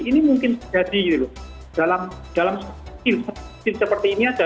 ini mungkin jadi dalam seperti ini saja